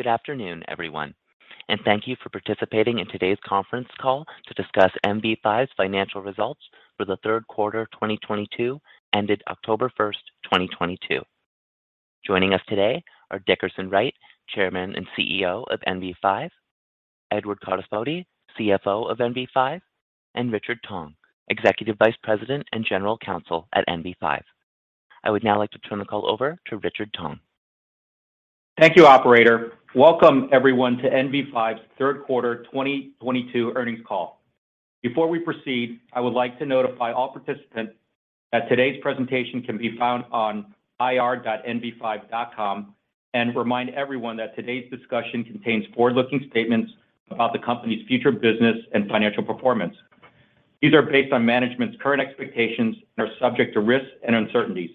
Good afternoon, everyone, and thank you for participating in today's conference call to discuss NV5's financial results for the third quarter of 2022 ended October 1, 2022. Joining us today are Dickerson Wright, Chairman and CEO of NV5, Edward Codispoti, CFO of NV5, and Richard Tong, Executive Vice President and General Counsel at NV5. I would now like to turn the call over to Richard Tong. Thank you, operator. Welcome everyone to NV5's third quarter 2022 earnings call. Before we proceed, I would like to notify all participants that today's presentation can be found on ir.nv5.com and remind everyone that today's discussion contains forward-looking statements about the company's future business and financial performance. These are based on management's current expectations and are subject to risks and uncertainties.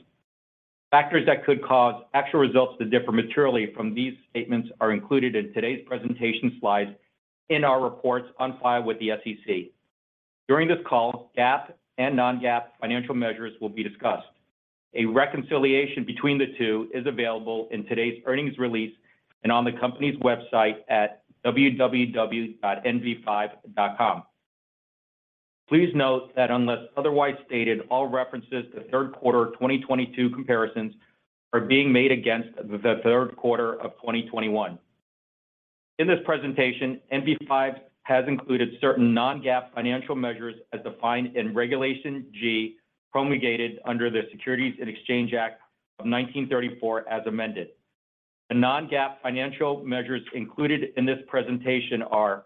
Factors that could cause actual results to differ materially from these statements are included in today's presentation slides in our reports on file with the SEC. During this call, GAAP and non-GAAP financial measures will be discussed. A reconciliation between the two is available in today's earnings release and on the company's website at www.nv5.com. Please note that unless otherwise stated, all references to third quarter 2022 comparisons are being made against the third quarter of 2021. In this presentation, NV5 has included certain non-GAAP financial measures as defined in Regulation G, promulgated under the Securities Exchange Act of 1934, as amended. The non-GAAP financial measures included in this presentation are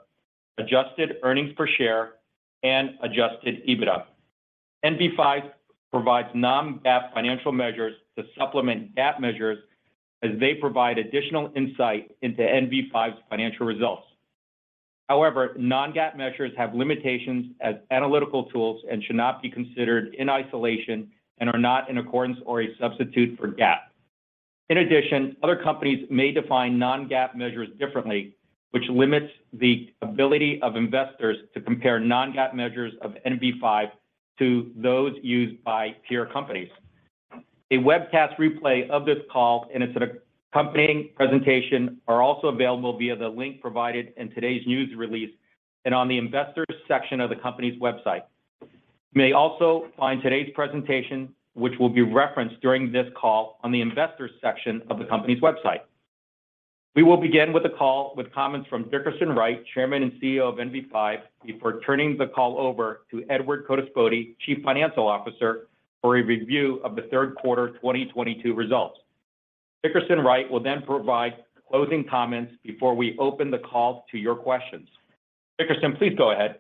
adjusted earnings per share and adjusted EBITDA. NV5 provides non-GAAP financial measures to supplement GAAP measures as they provide additional insight into NV5's financial results. However, non-GAAP measures have limitations as analytical tools and should not be considered in isolation or as a substitute for GAAP. In addition, other companies may define non-GAAP measures differently, which limits the ability of investors to compare non-GAAP measures of NV5 to those used by peer companies. A webcast replay of this call and its accompanying presentation are also available via the link provided in today's news release and on the investors section of the company's website. You may also find today's presentation, which will be referenced during this call, on the investors section of the company's website. We will begin the call with comments from Dickerson Wright, Chairman and CEO of NV5, before turning the call over to Edward Codispoti, Chief Financial Officer, for a review of the third quarter 2022 results. Dickerson Wright will then provide closing comments before we open the call to your questions. Dickerson, please go ahead.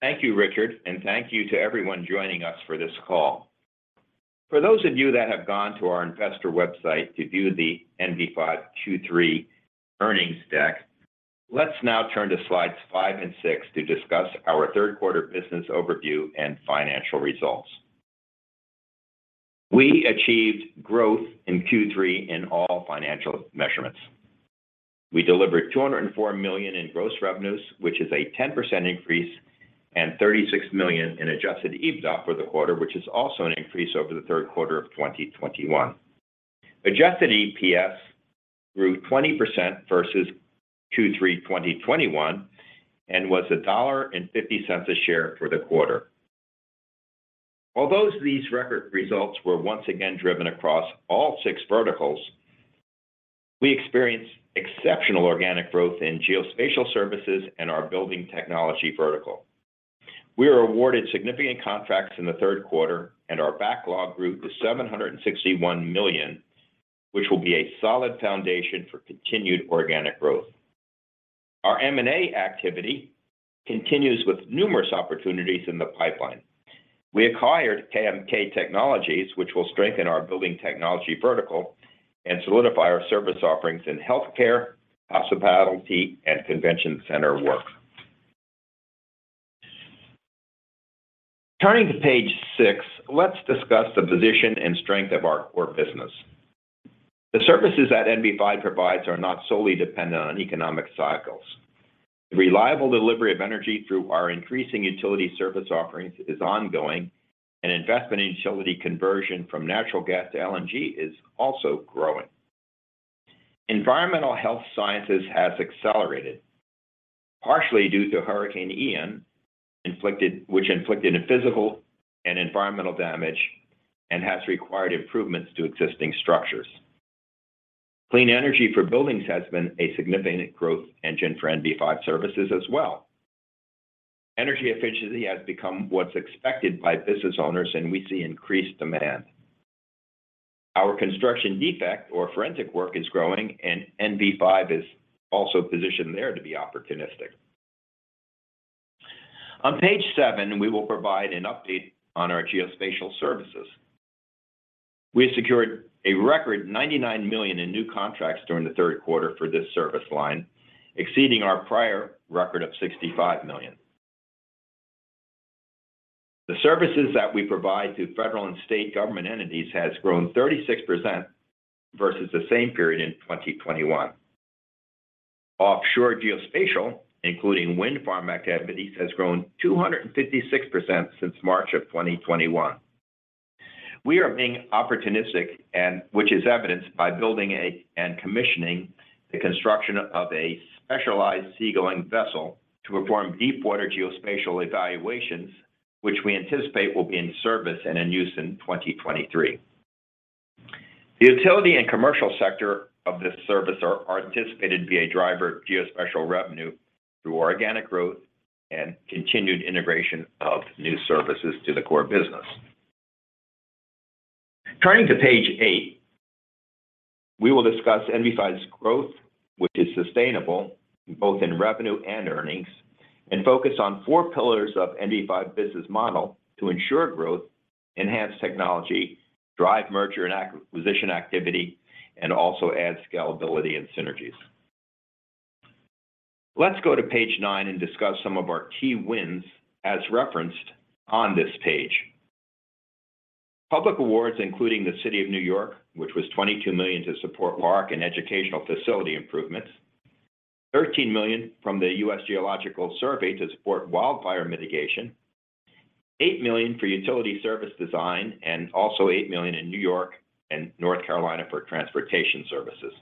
Thank you, Richard, and thank you to everyone joining us for this call. For those of you that have gone to our investor website to view the NV5 Q3 earnings deck, let's now turn to slides five and six to discuss our third quarter business overview and financial results. We achieved growth in Q3 in all financial measurements. We delivered $204 million in gross revenues, which is a 10% increase, and $36 million in adjusted EBITDA for the quarter, which is also an increase over the third quarter of 2021. Adjusted EPS grew 20% versus Q3 2021 and was $1.50 a share for the quarter. Although these record results were once again driven across all 6 verticals, we experienced exceptional organic growth in geospatial services and our building technology vertical. We were awarded significant contracts in the third quarter and our backlog grew to $761 million, which will be a solid foundation for continued organic growth. Our M&A activity continues with numerous opportunities in the pipeline. We acquired KMK Technologies, which will strengthen our building technology vertical and solidify our service offerings in healthcare, hospitality, and convention center work. Turning to page six, let's discuss the position and strength of our core business. The services that NV5 provides are not solely dependent on economic cycles. The reliable delivery of energy through our increasing utility service offerings is ongoing, and investment in utility conversion from natural gas to LNG is also growing. Environmental health sciences has accelerated, partially due to Hurricane Ian which inflicted physical and environmental damage and has required improvements to existing structures. Clean energy for buildings has been a significant growth engine for NV5 services as well. Energy efficiency has become what's expected by business owners, and we see increased demand. Our construction defect or forensic work is growing, and NV5 is also positioned there to be opportunistic. On page seven, we will provide an update on our geospatial services. We secured a record $99 million in new contracts during the third quarter for this service line, exceeding our prior record of $65 million. The services that we provide to federal and state government entities has grown 36% versus the same period in 2021. Offshore geospatial, including wind farm activities, has grown 256% since March 2021. We are being opportunistic, which is evidenced by building and commissioning the construction of a specialized seagoing vessel to perform deep water geospatial evaluations, which we anticipate will be in service and in use in 2023. The utility and commercial sector of this service are anticipated to be a driver of geospatial revenue through organic growth and continued integration of new services to the core business. Turning to page eight, we will discuss NV5's growth, which is sustainable both in revenue and earnings, and focus on four pillars of NV5 business model to ensure growth, enhance technology, drive merger and acquisition activity, and also add scalability and synergies. Let's go to page nine and discuss some of our key wins as referenced on this page. Public awards, including the City of New York, which was $22 million to support park and educational facility improvements. $13 million from the U.S. Geological Survey to support wildfire mitigation. $8 million for utility service design, and also $8 million in New York and North Carolina for transportation services.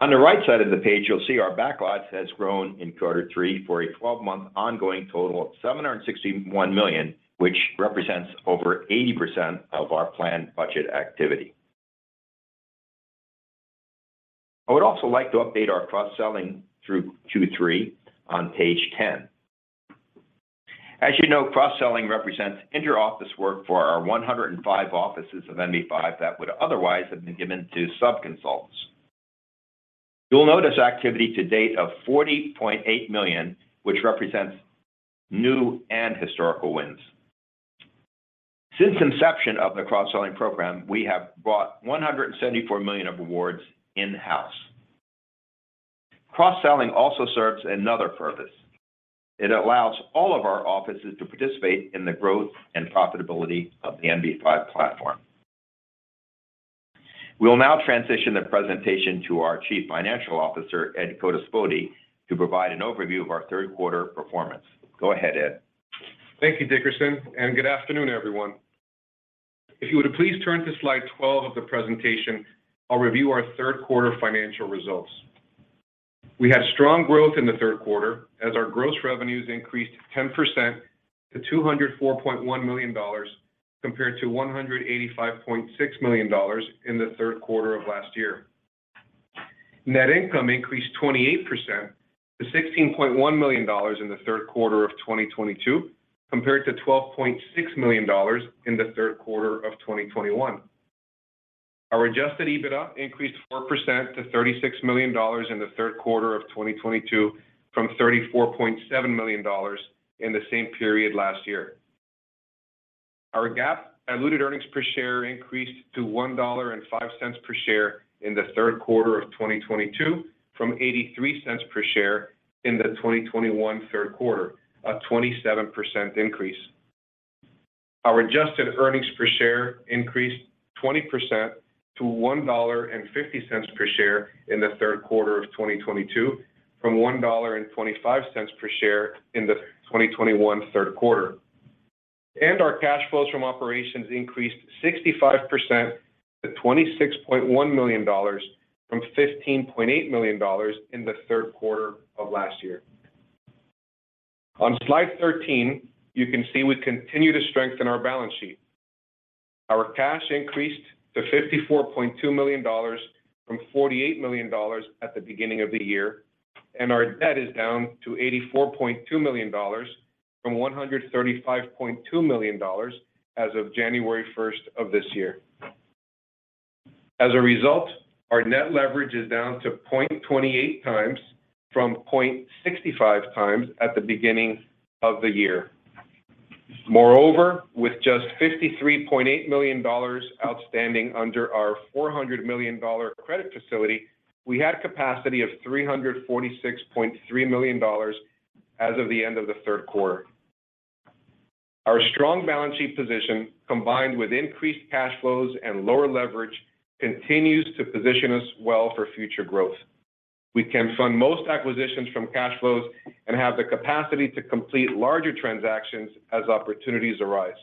On the right side of the page, you'll see our backlogs has grown in quarter three for a 12-month ongoing total of $761 million, which represents over 80% of our planned budget activity. I would also like to update our cross-selling through Q3 on page 10. As you know, cross-selling represents in-your-office work for our 105 offices of NV5 that would otherwise have been given to subconsultants. You'll notice activity to date of $40.8 million, which represents new and historical wins. Since inception of the cross-selling program, we have brought $174 million of awards in-house. Cross-selling also serves another purpose. It allows all of our offices to participate in the growth and profitability of the NV5 platform. We will now transition the presentation to our Chief Financial Officer, Edward Codispoti, to provide an overview of our third quarter performance. Go ahead, Ed. Thank you, Dickerson, and good afternoon, everyone. If you would please turn to slide 12 of the presentation, I'll review our third quarter financial results. We had strong growth in the third quarter as our gross revenues increased 10% to $204.1 million, compared to $185.6 million in the third quarter of last year. Net income increased 28% to $16.1 million in the third quarter of 2022, compared to $12.6 million in the third quarter of 2021. Our adjusted EBITDA increased 4% to $36 million in the third quarter of 2022 from $34.7 million in the same period last year. Our GAAP diluted earnings per share increased to $1.05 per share in the third quarter of 2022 from $0.83 per share in the 2021 third quarter. A 27% increase. Our adjusted earnings per share increased 20% to $1.50 per share in the third quarter of 2022 from $1.25 per share in the 2021 third quarter. Our cash flows from operations increased 65% to $26.1 million from $15.8 million in the third quarter of last year. On slide 13, you can see we continue to strengthen our balance sheet. Our cash increased to $54.2 million from $48 million at the beginning of the year, and our debt is down to $84.2 million from $135.2 million as of January first of this year. As a result, our net leverage is down to 0.28 times from 0.65 times at the beginning of the year. Moreover, with just $53.8 million outstanding under our $400 million credit facility, we had capacity of $346.3 million as of the end of the third quarter. Our strong balance sheet position, combined with increased cash flows and lower leverage, continues to position us well for future growth. We can fund most acquisitions from cash flows and have the capacity to complete larger transactions as opportunities arise.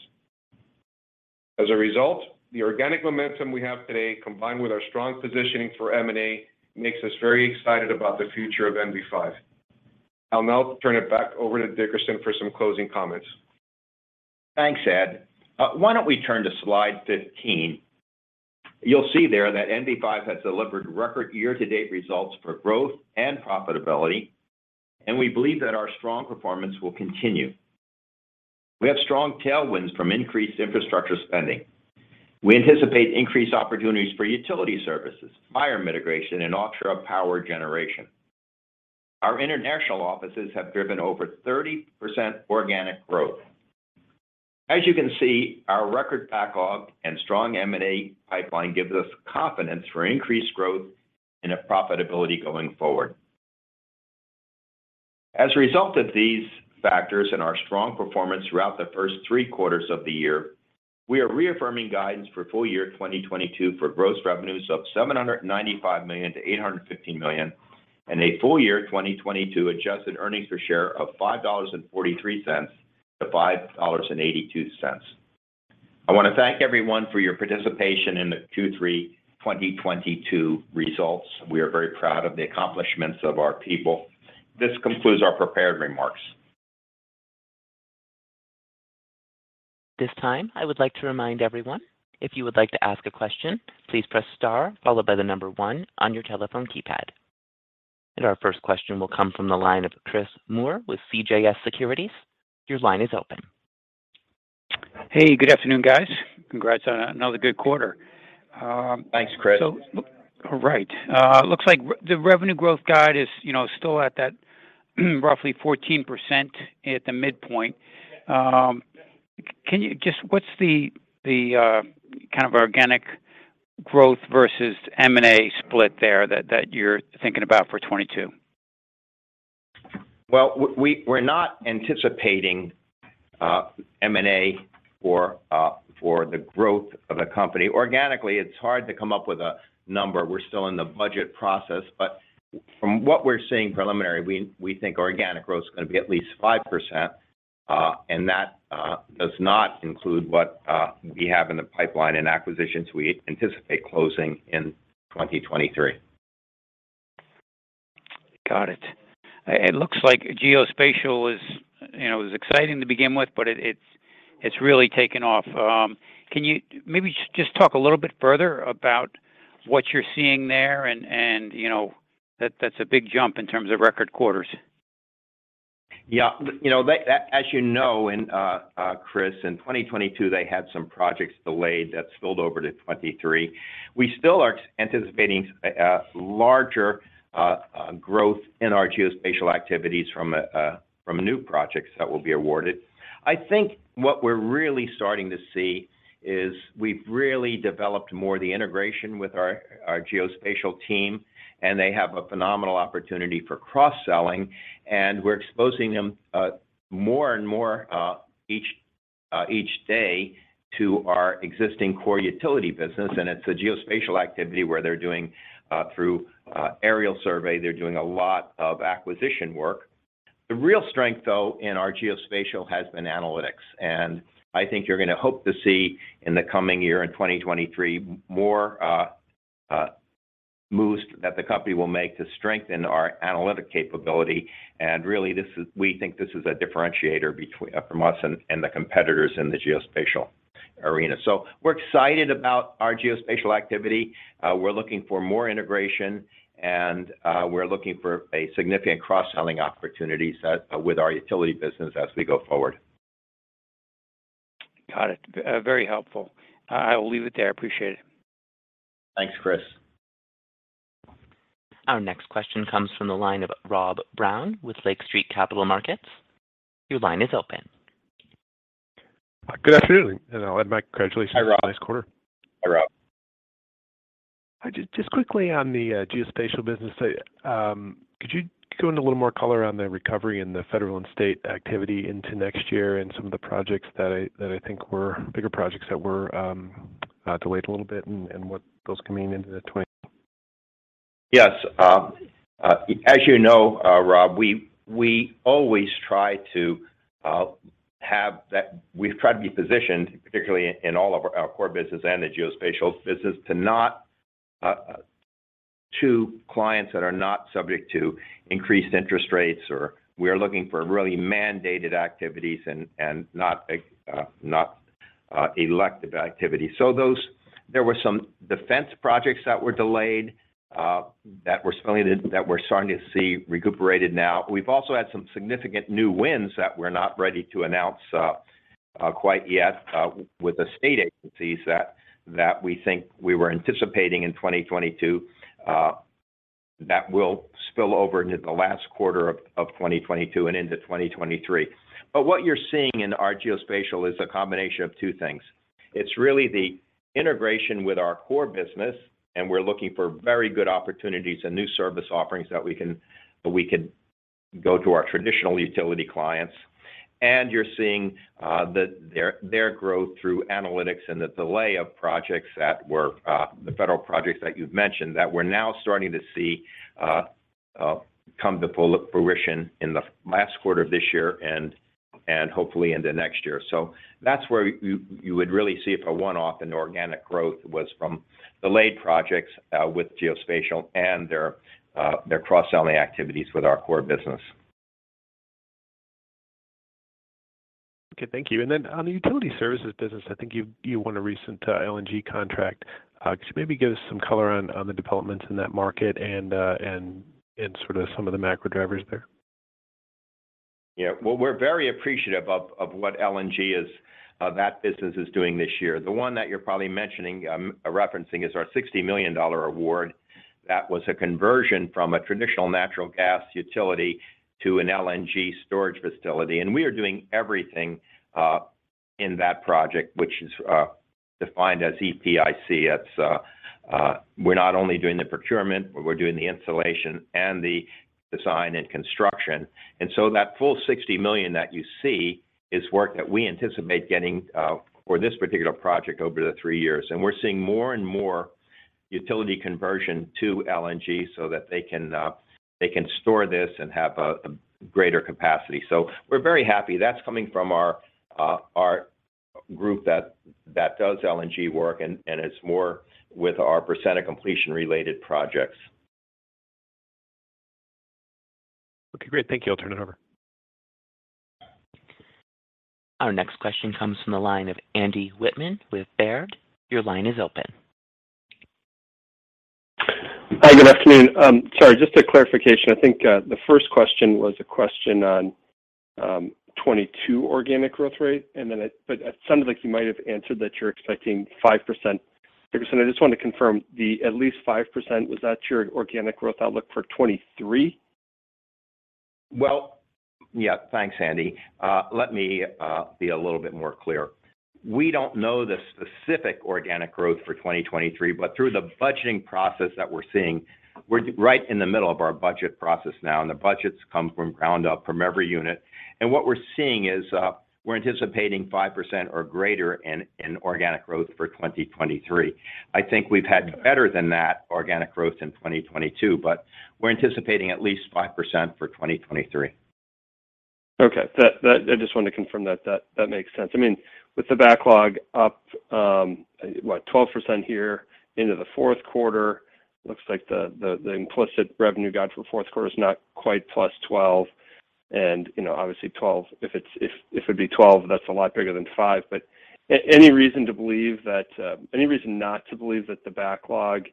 As a result, the organic momentum we have today, combined with our strong positioning for M&A, makes us very excited about the future of NV5. I'll now turn it back over to Dickerson for some closing comments. Thanks, Ed. Why don't we turn to slide 15? You'll see there that NV5 has delivered record year-to-date results for growth and profitability, and we believe that our strong performance will continue. We have strong tailwinds from increased infrastructure spending. We anticipate increased opportunities for utility services, fire mitigation, and offshore power generation. Our international offices have driven over 30% organic growth. As you can see, our record backlog and strong M&A pipeline gives us confidence for increased growth and a profitability going forward. As a result of these factors and our strong performance throughout the first three quarters of the year, we are reaffirming guidance for full year 2022 for gross revenues of $795 million-$815 million. Full year 2022 adjusted earnings per share of $5.43-$5.82. I wanna thank everyone for your participation in the Q3 2022 results. We are very proud of the accomplishments of our people. This concludes our prepared remarks. This time, I would like to remind everyone, if you would like to ask a question, please press star followed by the number one on your telephone keypad. Our first question will come from the line of Chris Moore with CJS Securities. Your line is open. Hey, good afternoon, guys. Congrats on another good quarter. Thanks, Chris. All right. Looks like the revenue growth guide is, you know, still at that roughly 14% at the midpoint. What's the kind of organic growth versus M&A split there that you're thinking about for 2022? Well, we're not anticipating M&A for the growth of the company. Organically, it's hard to come up with a number. We're still in the budget process. From what we're seeing preliminary, we think organic growth is gonna be at least 5%, and that does not include what we have in the pipeline in acquisitions we anticipate closing in 2023. Got it. It looks like Geospatial is, you know, it was exciting to begin with, but it's really taken off. Can you maybe just talk a little bit further about what you're seeing there and, you know, that's a big jump in terms of record quarters. Yeah. You know, as you know, Chris, in 2022, they had some projects delayed that spilled over to 2023. We still are anticipating a larger growth in our Geospatial activities from new projects that will be awarded. I think what we're really starting to see is we've really developed more the integration with our Geospatial team, and they have a phenomenal opportunity for cross-selling, and we're exposing them more and more each day to our existing core utility business. It's a Geospatial activity where they're doing through aerial survey a lot of acquisition work. The real strength, though, in our Geospatial has been analytics. I think you're gonna hope to see in the coming year, in 2023, more moves that the company will make to strengthen our analytic capability. Really, we think this is a differentiator from us and the competitors in the Geospatial arena. We're excited about our Geospatial activity. We're looking for more integration and we're looking for a significant cross-selling opportunity with our utility business as we go forward. Got it. Very helpful. I will leave it there. I appreciate it. Thanks, Chris. Our next question comes from the line of Rob Brown with Lake Street Capital Markets. Your line is open. Good afternoon, and I'll add my congratulations. Hi, Rob. On a nice quarter. Hi, Rob. Just quickly on the Geospatial business, could you go into a little more color on the recovery in the federal and state activity into next year and some of the projects that I think were bigger projects that were delayed a little bit and what those coming into the 20. Yes. As you know, Rob, we always try to be positioned, particularly in all of our core business and the Geospatial business, to clients that are not subject to increased interest rates, or we are looking for really mandated activities and not elective activity. There were some defense projects that were delayed that we're starting to see recuperated now. We've also had some significant new wins that we're not ready to announce quite yet with the state agencies that we think we were anticipating in 2022 that will spill over into the last quarter of 2022 and into 2023. What you're seeing in our Geospatial is a combination of two things. It's really the integration with our core business, and we're looking for very good opportunities and new service offerings that we can go to our traditional utility clients. You're seeing their growth through analytics and the delayed projects that were the federal projects that you've mentioned that we're now starting to see come to full fruition in the last quarter of this year and hopefully into next year. That's where you would really see if a one-off and organic growth was from delayed projects with Geospatial and their cross-selling activities with our core business. Okay, thank you. Then on the utility services business, I think you won a recent LNG contract. Could you maybe give us some color on the developments in that market and sort of some of the macro drivers there? Yeah. Well, we're very appreciative of what LNG is that business is doing this year. The one that you're probably mentioning or referencing is our $60 million award. That was a conversion from a traditional natural gas utility to an LNG storage facility. We are doing everything in that project, which is defined as EPIC. It's we're not only doing the procurement, but we're doing the installation and the design and construction. That full $60 million that you see is work that we anticipate getting for this particular project over the three years. We're seeing more and more utility conversion to LNG so that they can store this and have a greater capacity. We're very happy. That's coming from our group that does LNG work and it's more with our percent of completion-related projects. Okay, great. Thank you. I'll turn it over. Our next question comes from the line of Andy Wittmann with Baird. Your line is open. Hi, good afternoon. Sorry, just a clarification. I think the first question was a question on 2022 organic growth rate, and then, but it sounded like you might have answered that you're expecting 5%. I just wanted to confirm the at least 5%, was that your organic growth outlook for 2023? Well, yeah. Thanks, Andy. Let me be a little bit more clear. We don't know the specific organic growth for 2023, but through the budgeting process that we're seeing, we're right in the middle of our budget process now, and the budgets come from ground up from every unit. What we're seeing is, we're anticipating 5% or greater in organic growth for 2023. I think we've had better than that organic growth in 2022, but we're anticipating at least 5% for 2023. Okay. I just wanted to confirm that. That makes sense. I mean, with the backlog up 12% here into the fourth quarter, looks like the implicit revenue guide for fourth quarter is not quite plus 12%. You know, obviously 12, if it'd be 12, that's a lot bigger than five. Any reason to believe that any reason not to believe that the backlog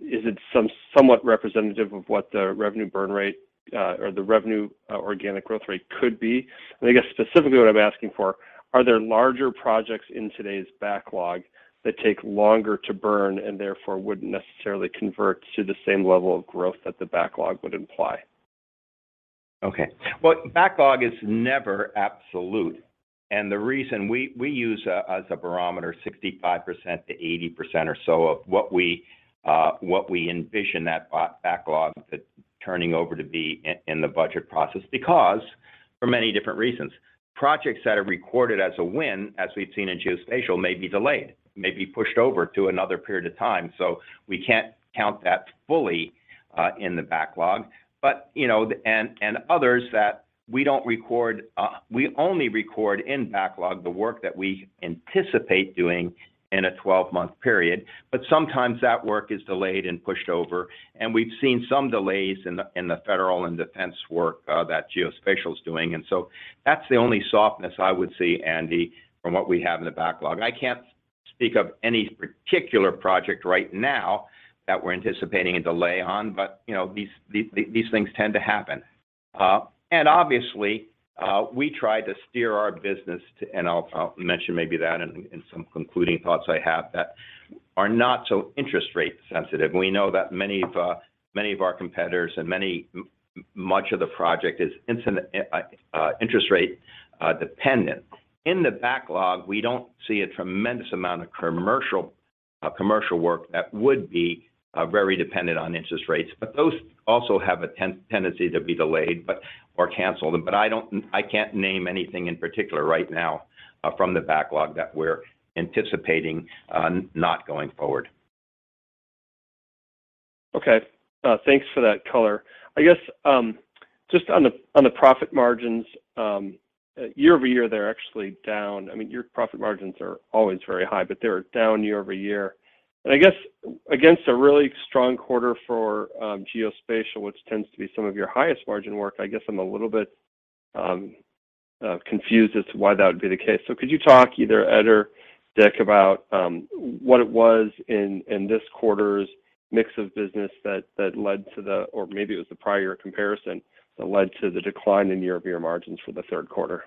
is somewhat representative of what the revenue burn rate or the revenue organic growth rate could be? I guess specifically what I'm asking for, are there larger projects in today's backlog that take longer to burn and therefore wouldn't necessarily convert to the same level of growth that the backlog would imply? Okay. Well, backlog is never absolute. The reason we use as a barometer 65%-80% or so of what we envision that backlog turning over to be in the budget process because for many different reasons. Projects that are recorded as a win, as we've seen in geospatial, may be delayed, may be pushed over to another period of time, so we can't count that fully in the backlog. You know and others that we don't record, we only record in backlog the work that we anticipate doing in a 12-month period, but sometimes that work is delayed and pushed over. We've seen some delays in the federal and defense work that geospatial is doing. That's the only softness I would see, Andy, from what we have in the backlog. I can't speak of any particular project right now that we're anticipating a delay on, but you know, these things tend to happen. Obviously, we try to steer our business and I'll mention maybe that in some concluding thoughts I have that are not so interest rate sensitive. We know that many of our competitors and much of the project is interest rate dependent. In the backlog, we don't see a tremendous amount of commercial work that would be very dependent on interest rates, but those also have a tendency to be delayed or canceled. I can't name anything in particular right now from the backlog that we're anticipating not going forward. Okay. Thanks for that color. I guess just on the profit margins year over year they're actually down. I mean your profit margins are always very high but they're down year over year. I guess against a really strong quarter for geospatial which tends to be some of your highest margin work I guess I'm a little bit confused as to why that would be the case. Could you talk either Ed or Dick about what it was in this quarter's mix of business that led to the or maybe it was the prior comparison that led to the decline in year-over-year margins for the third quarter?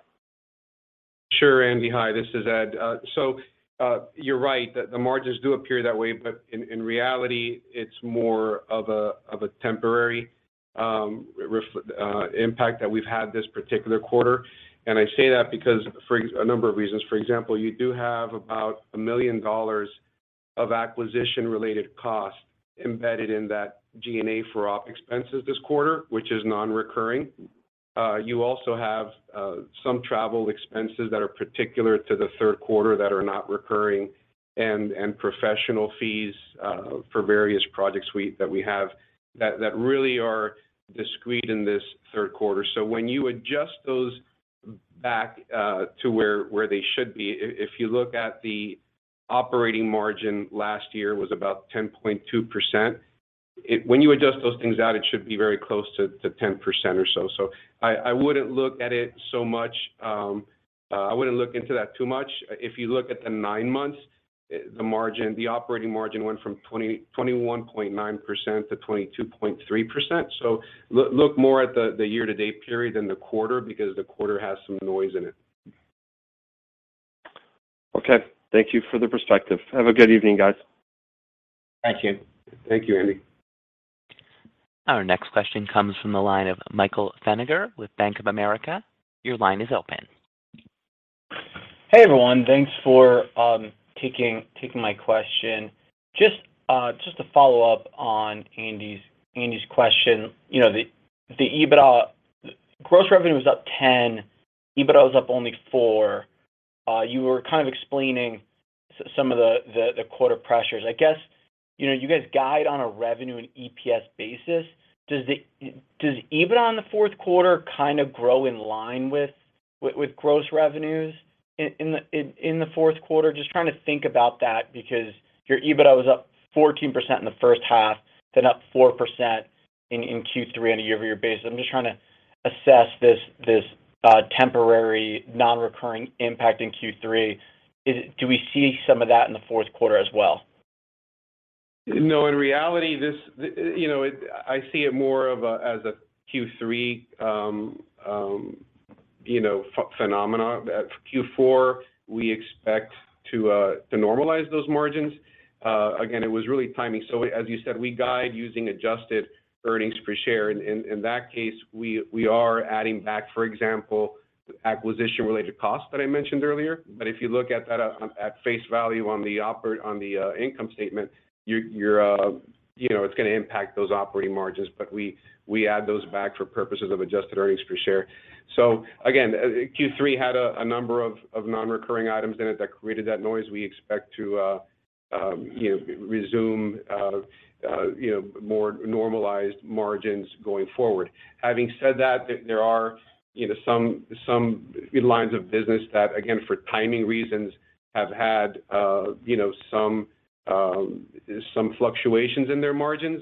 Sure, Andy. Hi, this is Ed. You're right that the margins do appear that way, but in reality, it's more of a temporary impact that we've had this particular quarter. I say that because for a number of reasons. For example, you do have about $1 million of acquisition-related costs embedded in that G&A for op expenses this quarter, which is non-recurring. You also have some travel expenses that are particular to the third quarter that are not recurring and professional fees for various projects that we have that really are discrete in this third quarter. When you adjust those back to where they should be, if you look at the operating margin last year was about 10.2%. When you adjust those things out, it should be very close to 10% or so. I wouldn't look at it so much. I wouldn't look into that too much. If you look at the nine months, the operating margin went from 21.9% to 22.3%. Look more at the year-to-date period than the quarter because the quarter has some noise in it. Okay. Thank you for the perspective. Have a good evening, guys. Thank you. Thank you, Andy. Our next question comes from the line of Michael Feniger with Bank of America. Your line is open. Hey, everyone. Thanks for taking my question. Just to follow up on Andy's question. You know, the EBITDA. Gross revenue was up 10%, EBITDA was up only 4%. You were kind of explaining some of the quarter pressures. I guess, you know, you guys guide on a revenue and EPS basis. Does EBITDA in the fourth quarter kind of grow in line with gross revenues in the fourth quarter? Just trying to think about that because your EBITDA was up 14% in the first half, then up 4% in Q3 on a year-over-year basis. I'm just trying to assess this temporary non-recurring impact in Q3. Do we see some of that in the fourth quarter as well? No, in reality, I see it more as a Q3, you know, phenomena. At Q4, we expect to normalize those margins. Again, it was really timing. As you said, we guide using adjusted earnings per share. In that case, we are adding back, for example, acquisition-related costs that I mentioned earlier. If you look at that at face value on the income statement, you're, you know, it's gonna impact those operating margins. We add those back for purposes of adjusted earnings per share. Again, Q3 had a number of non-recurring items in it that created that noise. We expect to, you know, resume, you know, more normalized margins going forward. Having said that, there are, you know, some lines of business that, again, for timing reasons, have had, you know, some fluctuations in their margins.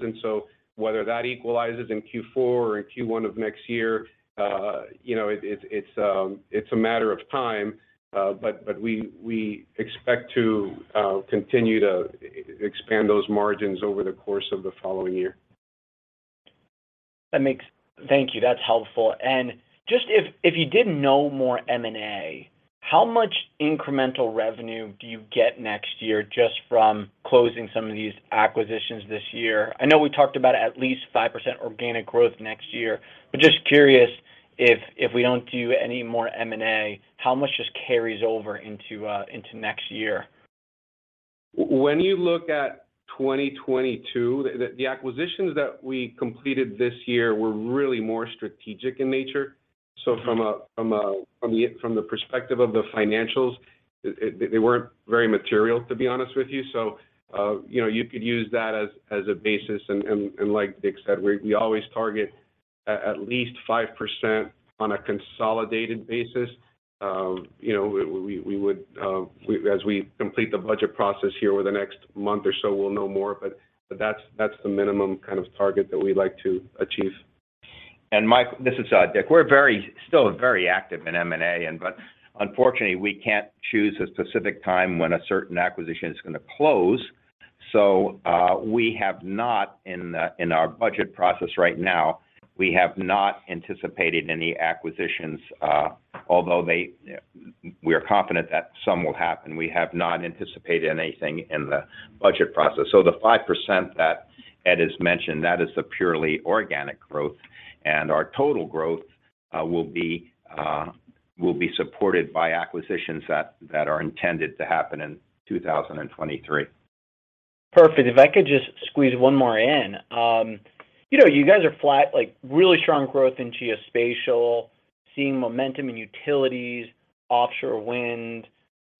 Whether that equalizes in Q4 or in Q1 of next year, you know, it's a matter of time. We expect to continue to expand those margins over the course of the following year. Thank you. That's helpful. Just if you did no more M&A, how much incremental revenue do you get next year just from closing some of these acquisitions this year? I know we talked about at least 5% organic growth next year, but just curious if we don't do any more M&A, how much just carries over into next year? When you look at 2022, the acquisitions that we completed this year were really more strategic in nature. From the perspective of the financials, they weren't very material, to be honest with you. You know, you could use that as a basis. Like Dick said, we always target at least 5% on a consolidated basis. You know, as we complete the budget process here over the next month or so, we'll know more, but that's the minimum kind of target that we'd like to achieve. Mike, this is Dick. We're still very active in M&A, but unfortunately, we can't choose a specific time when a certain acquisition is gonna close. We have not, in our budget process right now, anticipated any acquisitions, although we're confident that some will happen. We have not anticipated anything in the budget process. The 5% that Ed has mentioned, that is the purely organic growth. Our total growth will be supported by acquisitions that are intended to happen in 2023. Perfect. If I could just squeeze one more in. You know, you guys are flat, like really strong growth in geospatial, seeing momentum in utilities, offshore wind,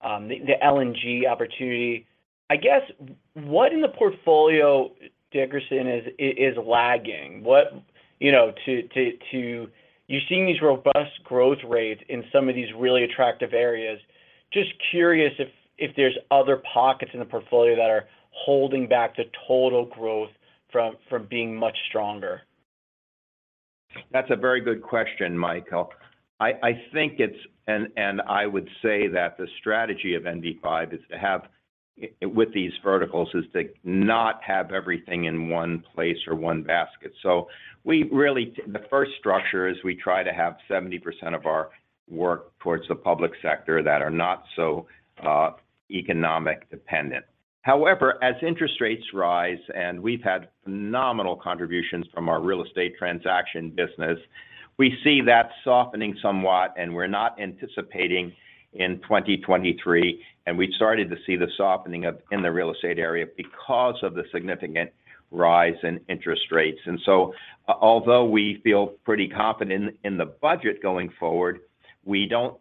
the LNG opportunity. I guess, what in the portfolio, Dickerson, is lagging? You know, you're seeing these robust growth rates in some of these really attractive areas. Just curious if there's other pockets in the portfolio that are holding back the total growth from being much stronger. That's a very good question, Michael. I would say that the strategy of NV5 is to have with these verticals, is to not have everything in one place or one basket. The first structure is we try to have 70% of our work towards the public sector that are not so economically dependent. However, as interest rates rise, and we've had phenomenal contributions from our real estate transaction business, we see that softening somewhat, and we're not anticipating in 2023, and we started to see the softening in the real estate area because of the significant rise in interest rates. Although we feel pretty confident in the budget going forward, we don't,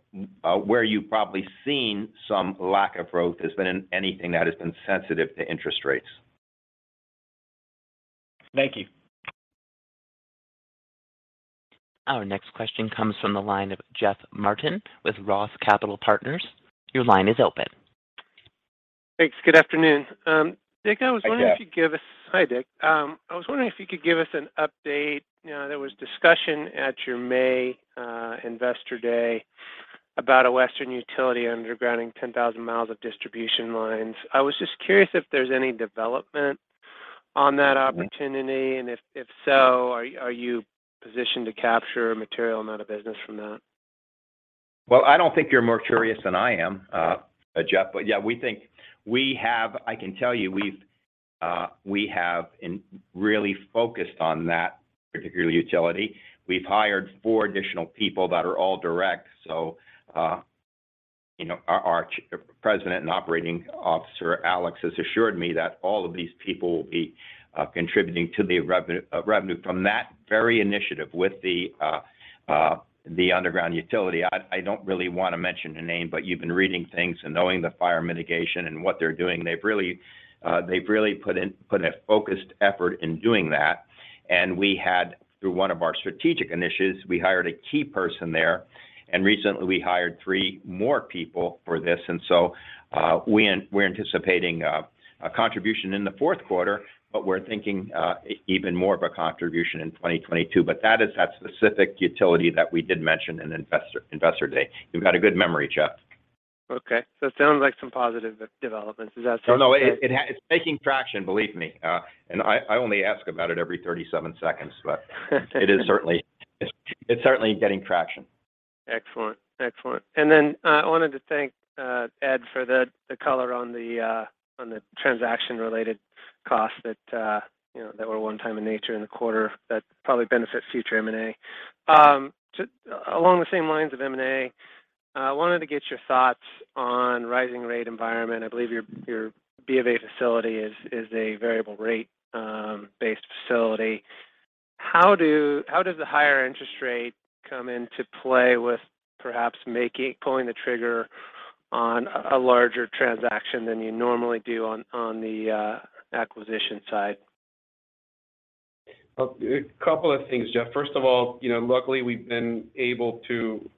where you've probably seen some lack of growth has been in anything that has been sensitive to interest rates. Thank you. Our next question comes from the line of Jeff Martin with ROTH Capital Partners. Your line is open. Thanks. Good afternoon. Dick, I was wondering. Hi, Jeff. Hi, Dick. I was wondering if you could give us an update. You know, there was discussion at your May Investor Day about a Western utility undergrounding 10,000 miles of distribution lines. I was just curious if there's any development on that opportunity. Mm-hmm. If so, are you positioned to capture a material amount of business from that? Well, I don't think you're more curious than I am, Jeff. Yeah, I can tell you, we have really focused on that particular utility. We've hired four additional people that are all direct. You know, our president and operating officer, Alex, has assured me that all of these people will be contributing to the revenue from that very initiative with the underground utility. I don't really wanna mention the name, but you've been reading things and knowing the fire mitigation and what they're doing. They've really put a focused effort in doing that. We had, through one of our strategic initiatives, we hired a key person there. Recently we hired three more people for this. We're anticipating a contribution in the fourth quarter, but we're thinking even more of a contribution in 2022. That is that specific utility that we did mention in Investor Day. You've got a good memory, Jeff. Okay. It sounds like some positive developments. Is that safe to say? No, it's gaining traction, believe me. I only ask about it every 37 seconds, but it is certainly getting traction. Excellent. I wanted to thank Ed for the color on the transaction-related costs that you know that were one-time in nature in the quarter that probably benefits future M&A. Along the same lines of M&A, wanted to get your thoughts on rising-rate environment. I believe your BofA facility is a variable-rate based facility. How does the higher interest rate come into play with perhaps pulling the trigger on a larger transaction than you normally do on the acquisition side? Well, a couple of things, Jeff. First of all, you know, luckily, we've been able to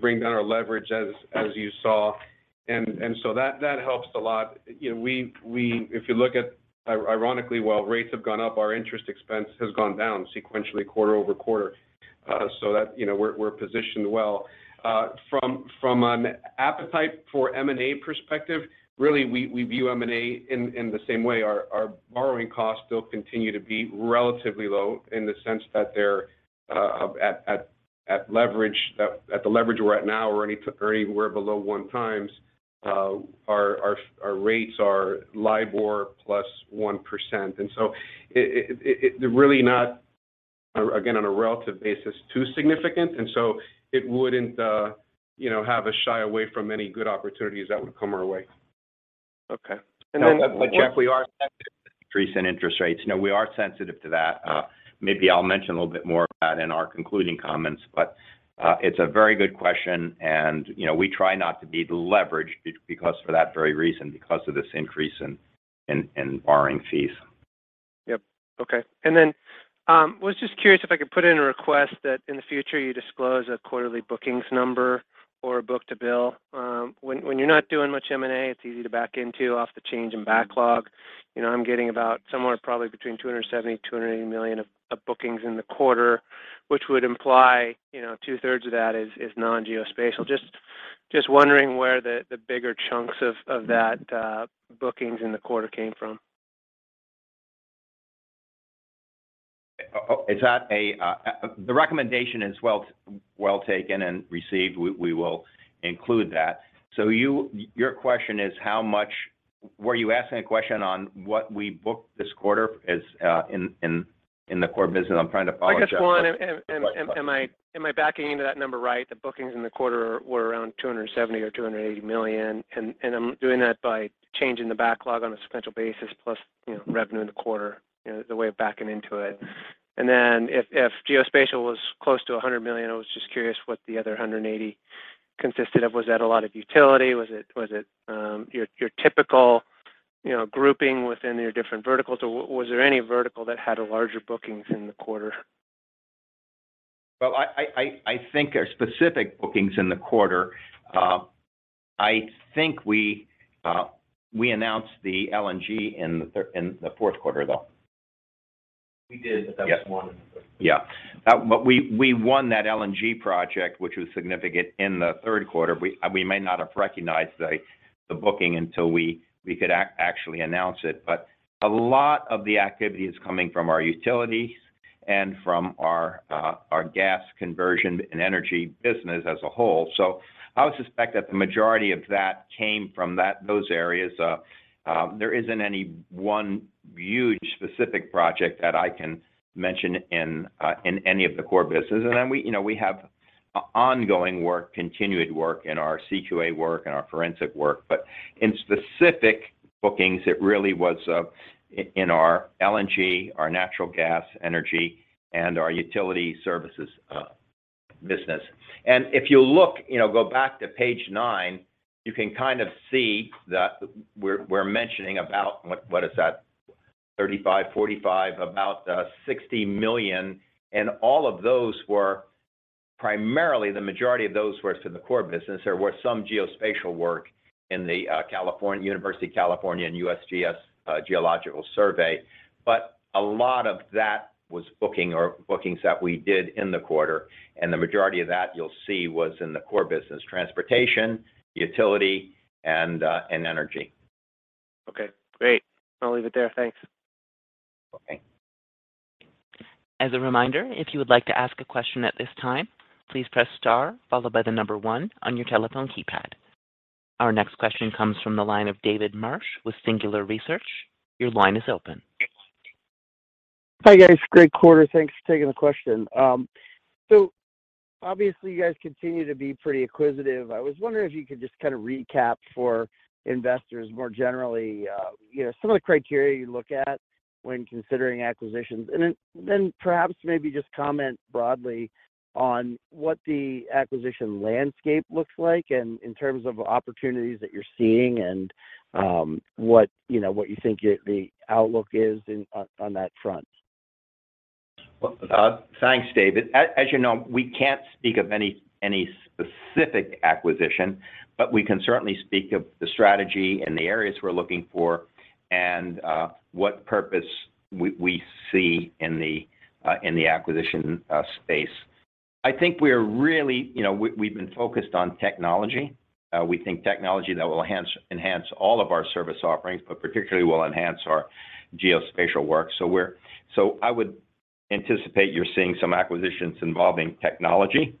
bring down our leverage as you saw. So that helps a lot. You know, if you look at ironically, while rates have gone up, our interest expense has gone down sequentially quarter-over-quarter. So that, you know, we're positioned well. From an appetite for M&A perspective, really, we view M&A in the same way. Our borrowing costs still continue to be relatively low in the sense that they're at the leverage we're at now or anywhere below 1x. Our rates are LIBOR plus 1%. It's really not, again, on a relative basis, too significant. It wouldn't, you know, have us shy away from any good opportunities that would come our way. Okay. Jeff, we are sensitive to the increase in interest rates. You know, we are sensitive to that. Maybe I'll mention a little bit more about it in our concluding comments, but it's a very good question. You know, we try not to be leveraged because for that very reason, because of this increase in borrowing fees. Yep. Okay. was just curious if I could put in a request that in the future you disclose a quarterly bookings number or a book to bill. When you're not doing much M&A, it's easy to back into off the change in backlog. You know, I'm getting about somewhere probably between $270 million and $280 million of bookings in the quarter, which would imply, you know, two-thirds of that is non-geospatial. Just wondering where the bigger chunks of that bookings in the quarter came from. The recommendation is well taken and received. We will include that. Your question is how much were you asking a question on what we booked this quarter as in the core business? I'm trying to follow, Jeff. I guess one. Am I backing into that number right? The bookings in the quarter were around $270 million or $280 million. I'm doing that by changing the backlog on a sequential basis plus, you know, revenue in the quarter, you know, the way of backing into it. Then if geospatial was close to $100 million, I was just curious what the other $180 million consisted of. Was that a lot of utility? Was it your typical, you know, grouping within your different verticals? Or was there any vertical that had a larger bookings in the quarter? Well, I think our specific bookings in the quarter. I think we announced the LNG in the fourth quarter, though. We did, but that was won in the third. Yeah. But we won that LNG project, which was significant in the third quarter. We may not have recognized the booking until we could actually announce it. But a lot of the activity is coming from our utilities and from our gas conversion and energy business as a whole. So I would suspect that the majority of that came from those areas. There isn't any one huge specific project that I can mention in any of the core business. Then you know, we have ongoing work, continued work in our CQA work and our forensic work. But in specific bookings, it really was in our LNG, our natural gas energy, and our utility services business. If you look, you know, go back to page nine, you can kind of see that we're mentioning about what is that? $35 million, $45 million, about $60 million. All of those were primarily, the majority of those were to the core business. There were some geospatial work in the University of California and U.S. Geological Survey. But a lot of that was booking or bookings that we did in the quarter, and the majority of that you'll see was in the core business, transportation, utility, and energy. Okay, great. I'll leave it there. Thanks. Okay. As a reminder, if you would like to ask a question at this time, please press star followed by the number one on your telephone keypad. Our next question comes from the line of David Marsh with Singular Research. Your line is open. Hi, guys. Great quarter. Thanks for taking the question. Obviously, you guys continue to be pretty acquisitive. I was wondering if you could just kinda recap for investors more generally, you know, some of the criteria you look at when considering acquisitions. Then perhaps maybe just comment broadly on what the acquisition landscape looks like and in terms of opportunities that you're seeing and, you know, what you think the outlook is on that front. Well, thanks, David. As you know, we can't speak of any specific acquisition, but we can certainly speak of the strategy and the areas we're looking for and what purpose we see in the acquisition space. I think we're really, you know, we've been focused on technology. We think technology that will enhance all of our service offerings, but particularly will enhance our geospatial work. I would anticipate you're seeing some acquisitions involving technology.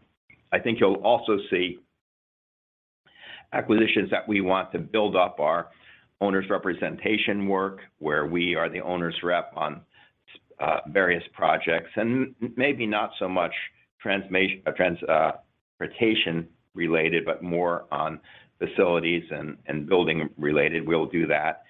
I think you'll also see acquisitions that we want to build up our owner's representation work, where we are the owner's rep on various projects, and maybe not so much transportation related, but more on facilities and building related. We'll do that.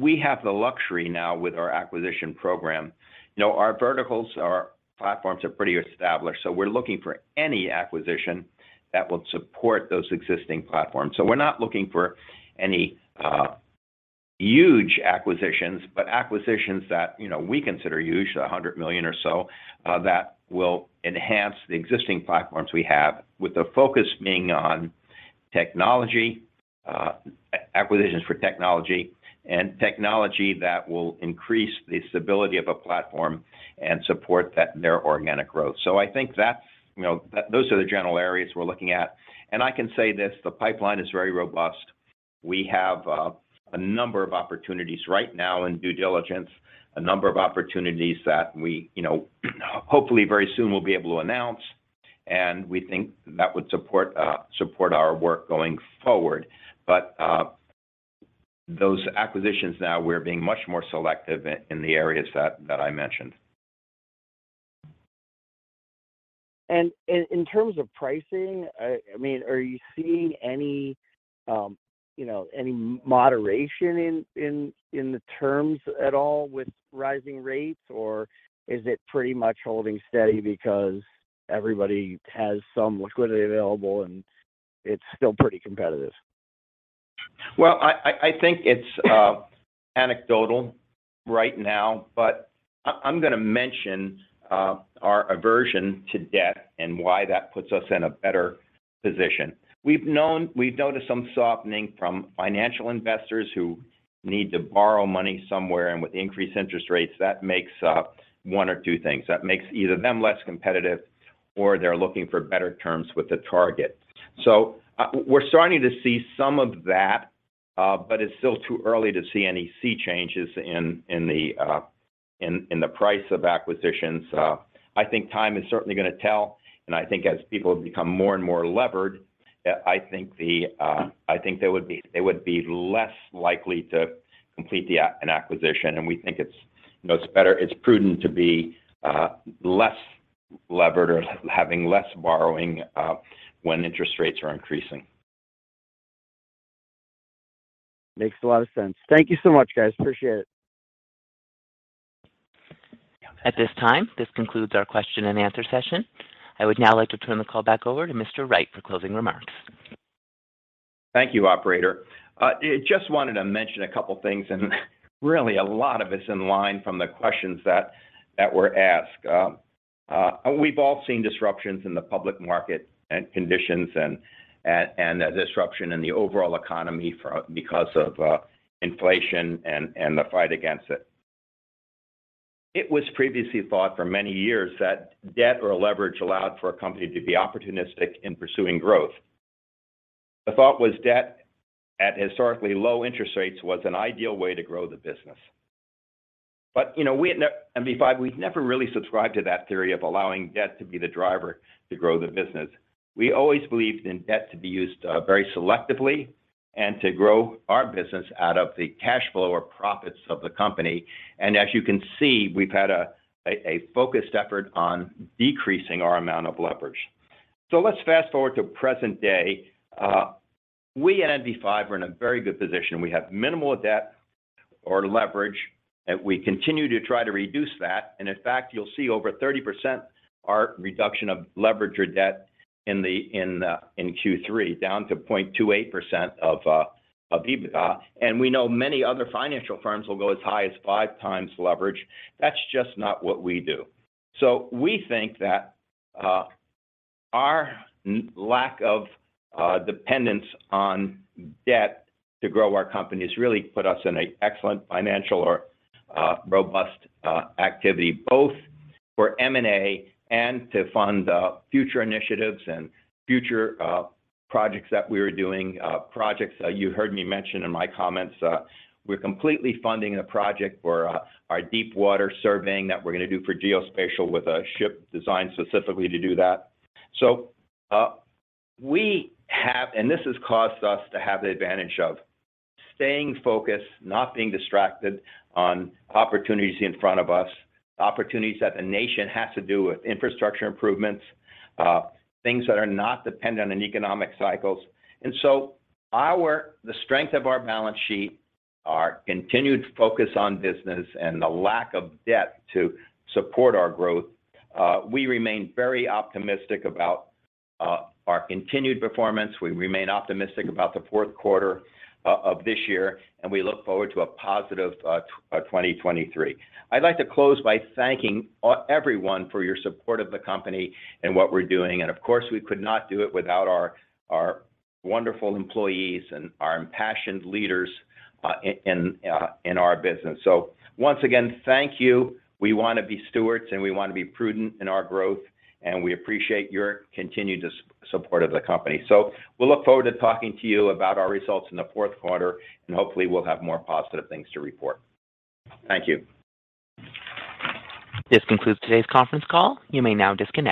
We have the luxury now with our acquisition program. You know, our verticals, our platforms are pretty established, so we're looking for any acquisition that would support those existing platforms. We're not looking for any huge acquisitions, but acquisitions that, you know, we consider huge, $100 million or so, that will enhance the existing platforms we have, with the focus being on technology, acquisitions for technology and technology that will increase the stability of a platform and support their organic growth. I think that, you know, those are the general areas we're looking at. I can say this, the pipeline is very robust. We have a number of opportunities right now in due diligence, a number of opportunities that we, you know, hopefully very soon will be able to announce, and we think that would support our work going forward. Those acquisitions now we're being much more selective in the areas that I mentioned. In terms of pricing, I mean, are you seeing any, you know, any moderation in the terms at all with rising rates, or is it pretty much holding steady because everybody has some liquidity available and it's still pretty competitive? I think it's anecdotal right now, but I'm gonna mention our aversion to debt and why that puts us in a better position. We've noticed some softening from financial investors who need to borrow money somewhere, and with increased interest rates, that makes one or two things. That makes either them less competitive or they're looking for better terms with the target. We're starting to see some of that, but it's still too early to see any sea changes in the price of acquisitions. I think time is certainly gonna tell, and I think as people become more and more levered, I think they would be less likely to complete an acquisition. We think it's, you know, it's better, it's prudent to be less levered or having less borrowing when interest rates are increasing. Makes a lot of sense. Thank you so much, guys. Appreciate it. At this time, this concludes our question and answer session. I would now like to turn the call back over to Mr. Wright for closing remarks. Thank you, operator. Just wanted to mention a couple things and really a lot of it's in line from the questions that were asked. We've all seen disruptions in the public market and conditions and a disruption in the overall economy because of inflation and the fight against it. It was previously thought for many years that debt or leverage allowed for a company to be opportunistic in pursuing growth. The thought was debt at historically low interest rates was an ideal way to grow the business. You know, we at NV5, we've never really subscribed to that theory of allowing debt to be the driver to grow the business. We always believed in debt to be used very selectively and to grow our business out of the cash flow or profits of the company. As you can see, we've had a focused effort on decreasing our amount of leverage. Let's fast-forward to present day. We at NV5 are in a very good position. We have minimal debt or leverage, and we continue to try to reduce that. In fact, you'll see over 30% our reduction of leverage or debt in Q3, down to 0.28% of EBITDA. We know many other financial firms will go as high as 5 times leverage. That's just not what we do. We think that our lack of dependence on debt to grow our company has really put us in an excellent financial or robust activity, both for M&A and to fund future initiatives and future projects that we are doing. Projects you heard me mention in my comments. We're completely funding a project for our deep water surveying that we're gonna do for geospatial with a ship designed specifically to do that. This has caused us to have the advantage of staying focused, not being distracted on opportunities in front of us, opportunities that the nation has to do with infrastructure improvements, things that are not dependent on economic cycles. The strength of our balance sheet, our continued focus on business, and the lack of debt to support our growth. We remain very optimistic about our continued performance. We remain optimistic about the fourth quarter of this year, and we look forward to a positive 2023. I'd like to close by thanking everyone for your support of the company and what we're doing. Of course, we could not do it without our wonderful employees and our impassioned leaders in our business. Once again, thank you. We wanna be stewards, and we wanna be prudent in our growth, and we appreciate your continued support of the company. We'll look forward to talking to you about our results in the fourth quarter, and hopefully we'll have more positive things to report. Thank you. This concludes today's conference call. You may now disconnect.